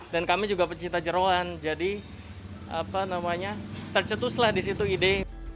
dan kami juga pencinta jerawan jadi apa namanya tercetuslah disitu ide